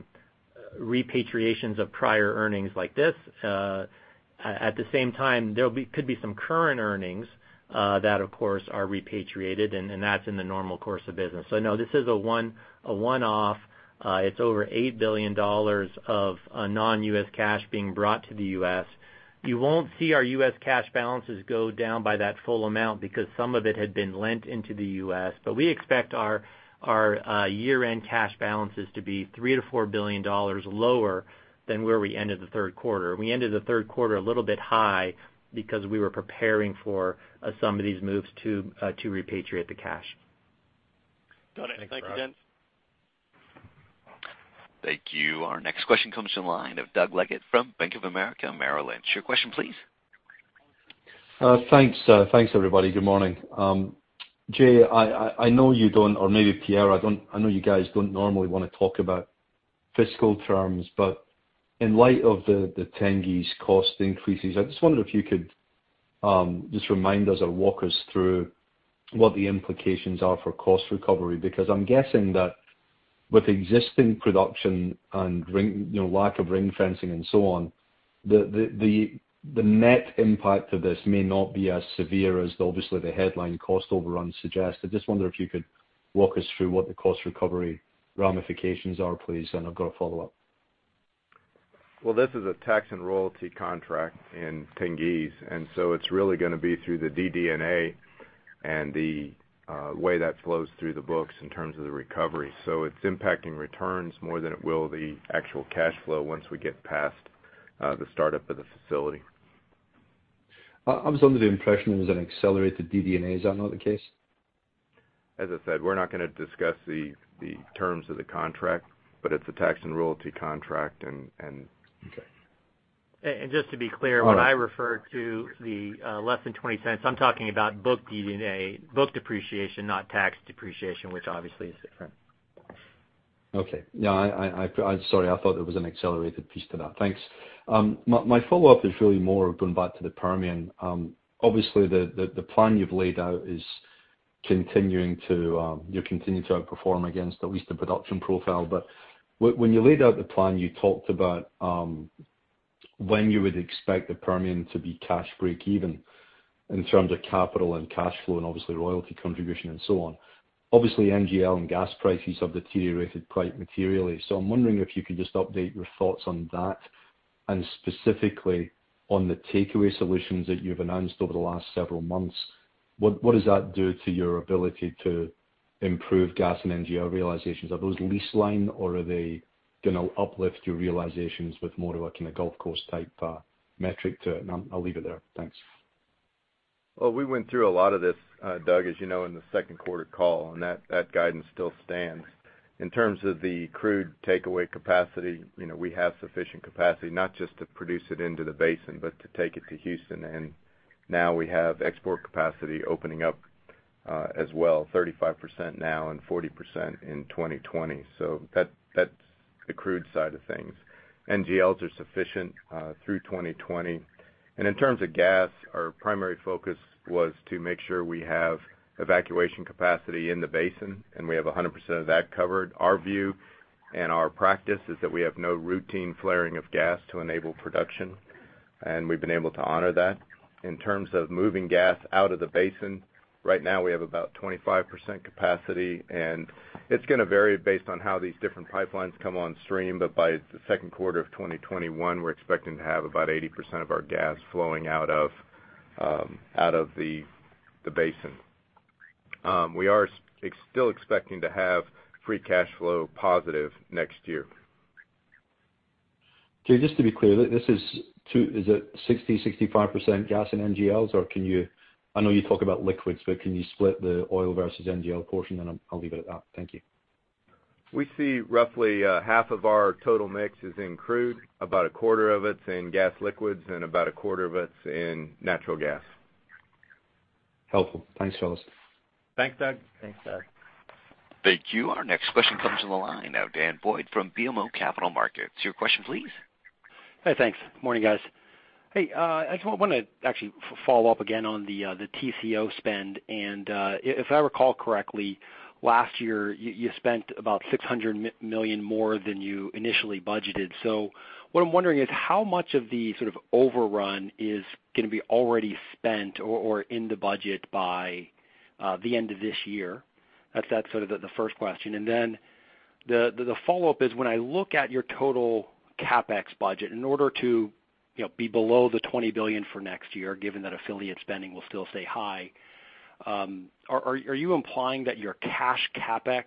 repatriations of prior earnings like this. At the same time, there could be some current earnings that, of course, are repatriated and that's in the normal course of business. No, this is a one-off. It's over $8 billion of non-U.S. cash being brought to the U.S. You won't see our U.S. cash balances go down by that full amount because some of it had been lent into the U.S., but we expect our year-end cash balances to be $3 billion to $4 billion lower than where we ended the third quarter. We ended the third quarter a little bit high because we were preparing for some of these moves to repatriate the cash. Got it. Thank you, gents. Thank you. Our next question comes from the line of Doug Leggate from Bank of America Merrill Lynch. Your question, please. Thanks everybody. Good morning. Jay, I know you don't, or maybe Pierre, I know you guys don't normally want to talk about fiscal terms, but in light of the Tengiz cost increases, I just wondered if you could just remind us or walk us through what the implications are for cost recovery, because I'm guessing that with existing production and lack of ring fencing and so on, the net impact of this may not be as severe as obviously the headline cost overrun suggests. I just wonder if you could walk us through what the cost recovery ramifications are, please, and I've got a follow-up. Well, this is a tax and royalty contract in Tengiz, and so it's really going to be through the DD&A and the way that flows through the books in terms of the recovery. It's impacting returns more than it will the actual cash flow once we get past the startup of the facility. I was under the impression it was an accelerated DD&A. Is that not the case? As I said, we're not going to discuss the terms of the contract, but it's a tax and royalty contract. Okay. Just to be clear, when I refer to the less than $0.20, I'm talking about book DD&A, book depreciation, not tax depreciation, which obviously is different. Okay. Yeah, sorry. I thought there was an accelerated piece to that. Thanks. My follow-up is really more going back to the Permian. Obviously, the plan you've laid out is you're continuing to outperform against at least the production profile. When you laid out the plan, you talked about when you would expect the Permian to be cash breakeven in terms of capital and cash flow, and obviously royalty contribution and so on. Obviously, NGL and gas prices have deteriorated quite materially. I'm wondering if you could just update your thoughts on that, and specifically on the takeaway solutions that you've announced over the last several months. What does that do to your ability to improve gas and NGL realizations? Are those lease line or are they going to uplift your realizations with more of a kind of Gulf Coast type metric to it? I'll leave it there. Thanks. Well, we went through a lot of this, Doug, as you know, in the second quarter call. That guidance still stands. In terms of the crude takeaway capacity, we have sufficient capacity, not just to produce it into the basin, but to take it to Houston. Now we have export capacity opening up as well, 35% now and 40% in 2020. That's the crude side of things. NGLs are sufficient through 2020. In terms of gas, our primary focus was to make sure we have evacuation capacity in the basin, and we have 100% of that covered. Our view and our practice is that we have no routine flaring of gas to enable production, and we've been able to honor that. In terms of moving gas out of the basin, right now we have about 25% capacity, and it's going to vary based on how these different pipelines come on stream. By the second quarter of 2021, we're expecting to have about 80% of our gas flowing out of the basin. We are still expecting to have free cash flow positive next year. Jay, just to be clear, is it 60%, 65% gas and NGLs, or I know you talk about liquids, but can you split the oil versus NGL portion, and I'll leave it at that. Thank you. We see roughly half of our total mix is in crude, about a quarter of it's in gas liquids, and about a quarter of it's in natural gas. Helpful. Thanks, fellas. Thanks, Doug. Thanks, Doug. Thank you. Our next question comes from the line of Daniel Boyd from BMO Capital Markets. Your question, please. I just want to actually follow up again on the Tengizchevroil spend. If I recall correctly, last year, you spent about $600 million more than you initially budgeted. What I'm wondering is how much of the sort of overrun is going to be already spent or in the budget by the end of this year? That's sort of the first question. The follow-up is, when I look at your total CapEx budget, in order to be below the $20 billion for next year, given that affiliate spending will still stay high, are you implying that your cash CapEx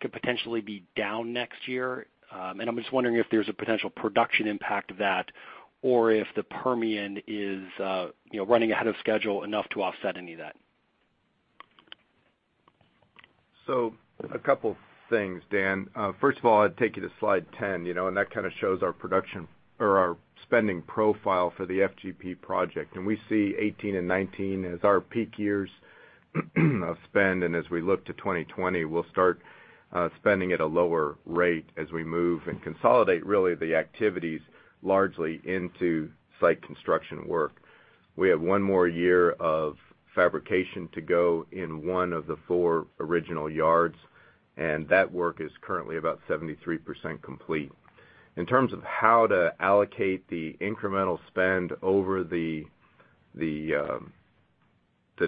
could potentially be down next year? I'm just wondering if there's a potential production impact of that or if the Permian is running ahead of schedule enough to offset any of that. A couple things, Dan. First of all, I'd take you to slide 10, and that kind of shows our production or our spending profile for the FGP project. We see 2018 and 2019 as our peak years of spend. As we look to 2020, we'll start spending at a lower rate as we move and consolidate really the activities largely into site construction work. We have one more year of fabrication to go in one of the four original yards, and that work is currently about 73% complete. In terms of how to allocate the incremental spend over the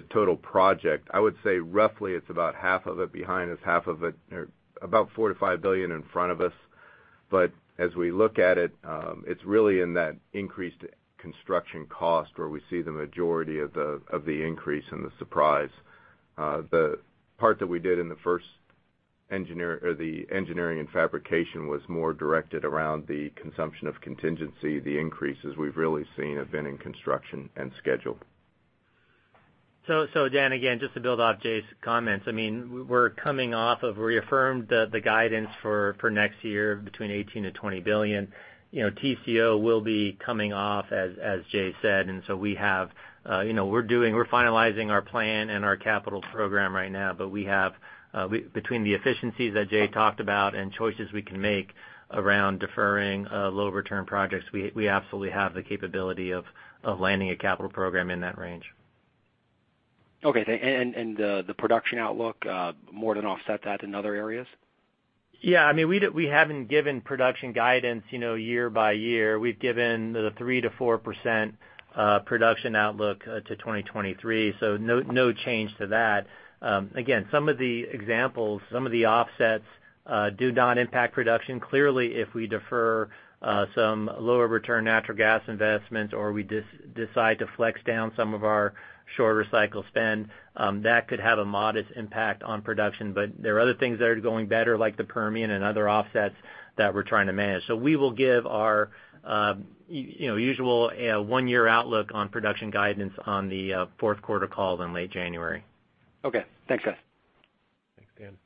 total project, I would say roughly it's about half of it behind us, half of it or about $4 billion to $5 billion in front of us. As we look at it's really in that increased construction cost where we see the majority of the increase and the surprise. The part that we did in the first or the engineering and fabrication was more directed around the consumption of contingency. The increases we've really seen have been in construction and schedule. Dan, again, just to build off Jay's comments. We're coming off of reaffirmed the guidance for next year between $18 billion-$20 billion. Tengizchevroil will be coming off, as Jay said. We're finalizing our plan and our capital program right now, but between the efficiencies that Jay talked about and choices we can make around deferring lower return projects, we absolutely have the capability of landing a capital program in that range. Okay. The production outlook more than offset that in other areas? Yeah, we haven't given production guidance year by year. We've given the 3%-4% production outlook to 2023, no change to that. Again, some of the examples, some of the offsets do not impact production. Clearly, if we defer some lower return natural gas investments or we decide to flex down some of our shorter cycle spend, that could have a modest impact on production. There are other things that are going better, like the Permian and other offsets that we're trying to manage. We will give our usual one-year outlook on production guidance on the fourth quarter call in late January. Okay. Thanks, guys. Thanks, Dan.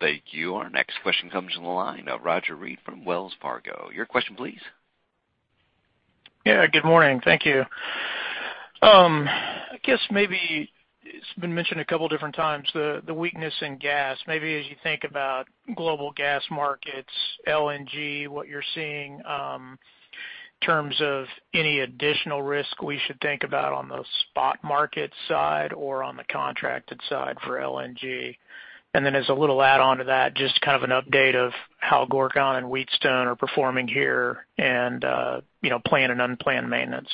Thank you. Our next question comes from the line of Roger Read from Wells Fargo. Your question, please. Yeah, good morning. Thank you. I guess maybe it's been mentioned a couple different times, the weakness in gas. Maybe as you think about global gas markets, LNG, what you're seeing in terms of any additional risk we should think about on the spot market side or on the contracted side for LNG. Then as a little add-on to that, just kind of an update of how Gorgon and Wheatstone are performing here and planned and unplanned maintenance.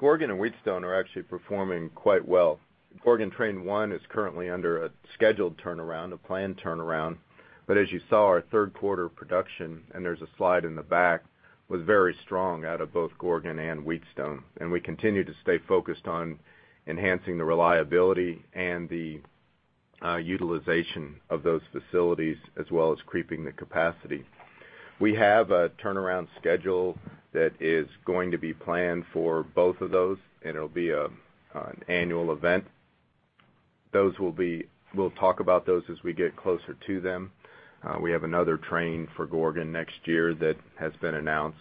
Gorgon and Wheatstone are actually performing quite well. Gorgon train one is currently under a scheduled turnaround, a planned turnaround. As you saw our third quarter production, and there's a slide in the back, was very strong out of both Gorgon and Wheatstone. We continue to stay focused on enhancing the reliability and the utilization of those facilities as well as creeping the capacity. We have a turnaround schedule that is going to be planned for both of those, and it'll be an annual event. We'll talk about those as we get closer to them. We have another train for Gorgon next year that has been announced.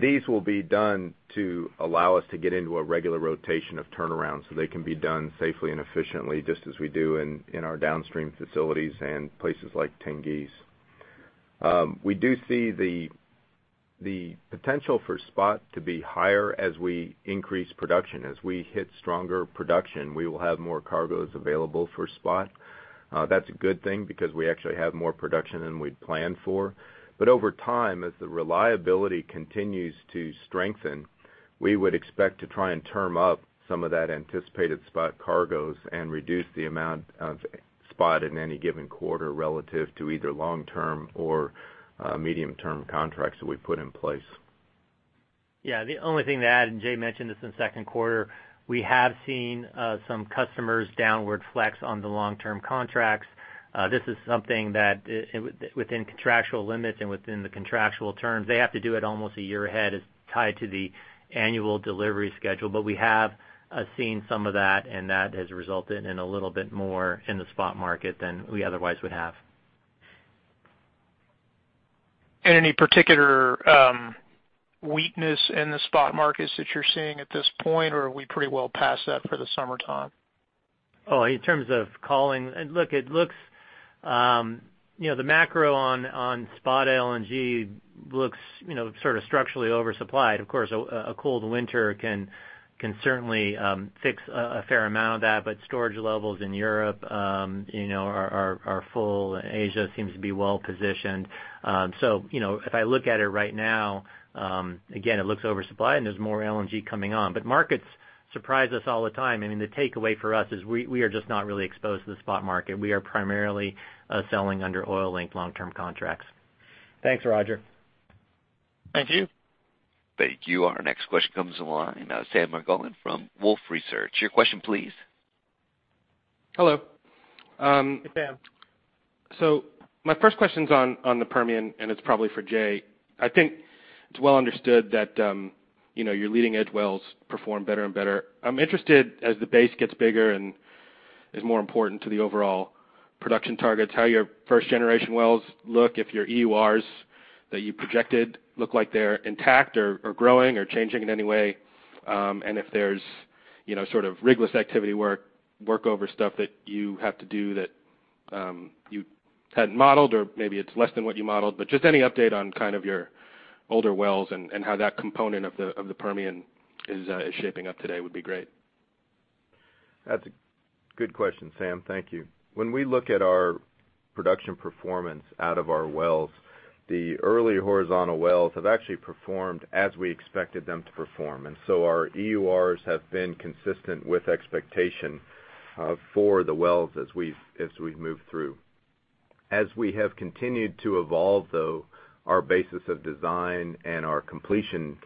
These will be done to allow us to get into a regular rotation of turnarounds so they can be done safely and efficiently, just as we do in our downstream facilities and places like Tengiz. We do see the potential for spot to be higher as we increase production. As we hit stronger production, we will have more cargoes available for spot. That's a good thing because we actually have more production than we'd planned for. Over time, as the reliability continues to strengthen, we would expect to try and term up some of that anticipated spot cargoes and reduce the amount of spot in any given quarter relative to either long-term or medium-term contracts that we put in place. Yeah, the only thing to add, and Jay mentioned this in the second quarter, we have seen some customers downward flex on the long-term contracts. This is something that within contractual limits and within the contractual terms, they have to do it almost a year ahead. It's tied to the annual delivery schedule. We have seen some of that, and that has resulted in a little bit more in the spot market than we otherwise would have. Any particular weakness in the spot markets that you're seeing at this point, or are we pretty well past that for the summertime? In terms of calling, look, the macro on spot LNG looks sort of structurally oversupplied. Of course, a cold winter can certainly fix a fair amount of that. Storage levels in Europe are full, and Asia seems to be well-positioned. If I look at it right now, again, it looks oversupplied, and there's more LNG coming on. Markets surprise us all the time, and the takeaway for us is we are just not really exposed to the spot market. We are primarily selling under oil-linked long-term contracts. Thanks, Roger. Thank you. Thank you. Our next question comes on the line, Sam Margolin from Wolfe Research. Your question, please. Hello. Hey, Sam. My first question's on the Permian, and it's probably for Jay. I think it's well understood that your leading-edge wells perform better and better. I'm interested, as the base gets bigger and is more important to the overall production targets, how your first-generation wells look, if your EURs that you projected look like they're intact or growing or changing in any way, and if there's sort of rigorous activity work over stuff that you have to do that you hadn't modeled, or maybe it's less than what you modeled. Just any update on kind of your older wells and how that component of the Permian is shaping up today would be great. That's a good question, Sam. Thank you. When we look at our production performance out of our wells, the early horizontal wells have actually performed as we expected them to perform. Our EURs have been consistent with expectation for the wells as we've moved through. As we have continued to evolve, though, our basis of design and our completion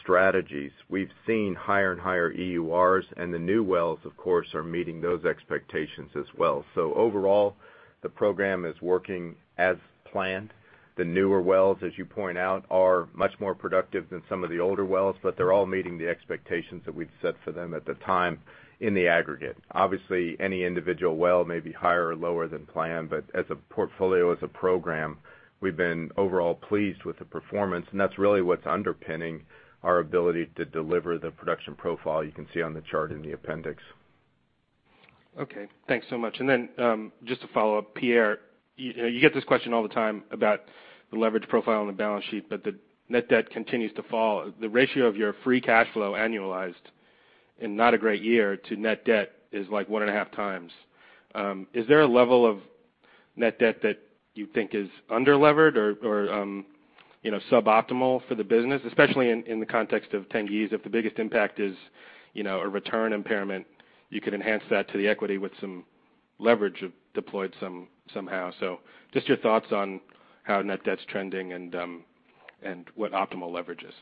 strategies, we've seen higher and higher EURs, the new wells, of course, are meeting those expectations as well. Overall, the program is working as planned. The newer wells, as you point out, are much more productive than some of the older wells, they're all meeting the expectations that we've set for them at the time in the aggregate. Any individual well may be higher or lower than planned, but as a portfolio, as a program, we've been overall pleased with the performance, and that's really what's underpinning our ability to deliver the production profile you can see on the chart in the appendix. Okay. Thanks so much. Just to follow up, Pierre, you get this question all the time about the leverage profile on the balance sheet, but the net debt continues to fall. The ratio of your free cash flow annualized in not a great year to net debt is like one and a half times. Is there a level of net debt that you think is under-levered or suboptimal for the business? Especially in the context of 10Ds, if the biggest impact is a return impairment, you could enhance that to the equity with some leverage deployed somehow. Just your thoughts on how net debt's trending and what optimal leverage is.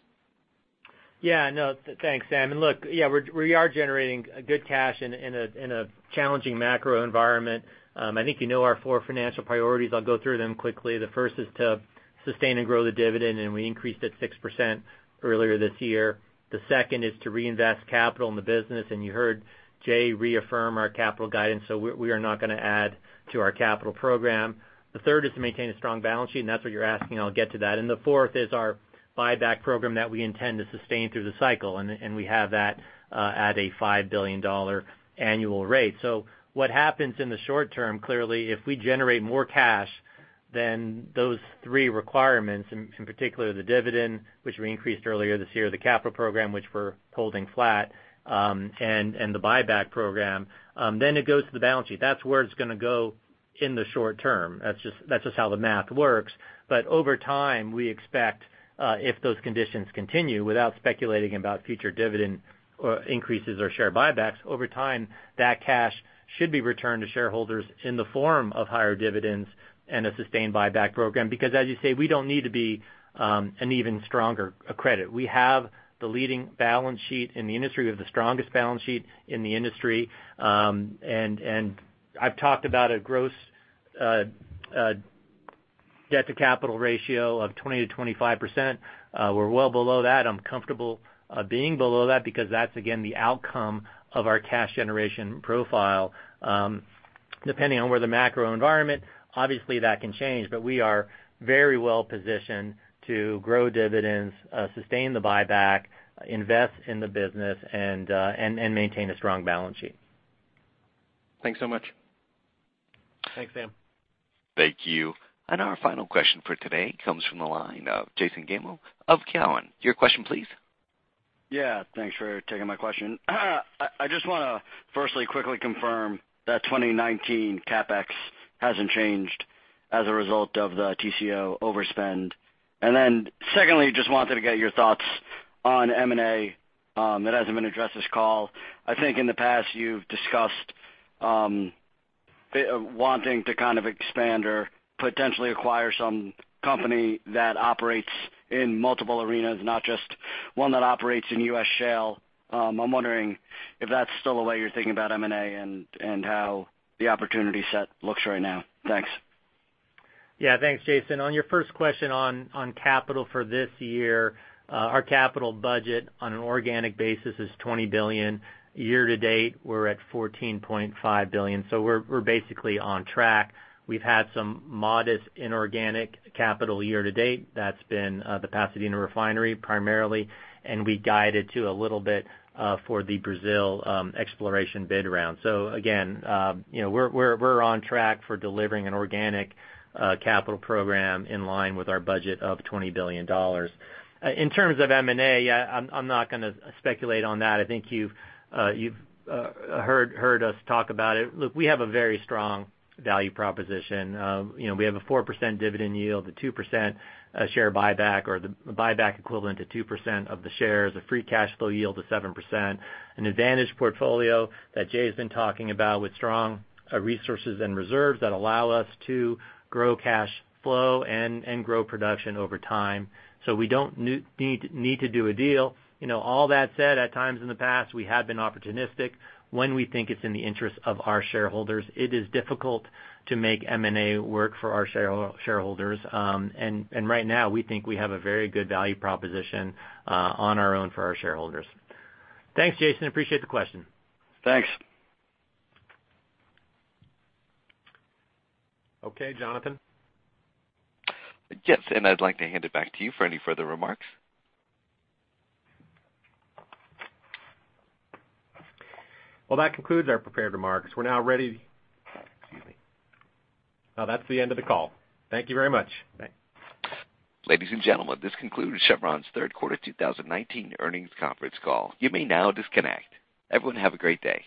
Yeah, no. Thanks, Sam. Look, yeah, we are generating good cash in a challenging macro environment. I think you know our four financial priorities. I'll go through them quickly. The first is to sustain and grow the dividend, and we increased it 6% earlier this year. The second is to reinvest capital in the business, and you heard Jay reaffirm our capital guidance, so we are not going to add to our capital program. The third is to maintain a strong balance sheet, and that's what you're asking, I'll get to that. The fourth is our buyback program that we intend to sustain through the cycle, and we have that at a $5 billion annual rate. What happens in the short term, clearly, if we generate more cash than those three requirements, in particular the dividend, which we increased earlier this year, the capital program, which we're holding flat, and the buyback program, then it goes to the balance sheet. That's where it's going to go in the short term. That's just how the math works. Over time, we expect if those conditions continue, without speculating about future dividend increases or share buybacks, over time, that cash should be returned to shareholders in the form of higher dividends and a sustained buyback program. As you say, we don't need to be an even stronger credit. We have the leading balance sheet in the industry. We have the strongest balance sheet in the industry, and I've talked about a gross debt-to-capital ratio of 20%-25%. We're well below that. I'm comfortable being below that because that's, again, the outcome of our cash generation profile. Depending on where the macro environment, obviously that can change, but we are very well positioned to grow dividends, sustain the buyback, invest in the business, and maintain a strong balance sheet. Thanks so much. Thanks, Sam. Thank you. Our final question for today comes from the line of Jason Gabelman of Cowen. Your question please. Yeah. Thanks for taking my question. I just want to firstly quickly confirm that 2019 CapEx hasn't changed as a result of the Tengizchevroil overspend. Then secondly, just wanted to get your thoughts on M&A that hasn't been addressed this call. I think in the past you've discussed wanting to kind of expand or potentially acquire some company that operates in multiple arenas, not just one that operates in U.S. shale. I'm wondering if that's still the way you're thinking about M&A and how the opportunity set looks right now. Thanks. Yeah. Thanks, Jason. On your first question on capital for this year, our capital budget on an organic basis is $20 billion. Year to date, we're at $14.5 billion. We're basically on track. We've had some modest inorganic capital year to date. That's been the Pasadena Refinery primarily, and we guided to a little bit for the Brazil exploration bid round. Again, we're on track for delivering an organic capital program in line with our budget of $20 billion. In terms of M&A, I'm not going to speculate on that. I think you've heard us talk about it. Look, we have a very strong value proposition. We have a 4% dividend yield, a 2% share buyback, or the buyback equivalent to 2% of the shares, a free cash flow yield of 7%, an advantage portfolio that Jay's been talking about with strong resources and reserves that allow us to grow cash flow and grow production over time. We don't need to do a deal. All that said, at times in the past, we have been opportunistic when we think it's in the interest of our shareholders. It is difficult to make M&A work for our shareholders. Right now we think we have a very good value proposition on our own for our shareholders. Thanks, Jason. Appreciate the question. Thanks. Okay. Jonathan? Yes, I'd like to hand it back to you for any further remarks. Well, that concludes our prepared remarks. That's the end of the call. Thank you very much. Bye. Ladies and gentlemen, this concludes Chevron's third quarter 2019 earnings conference call. You may now disconnect. Everyone, have a great day.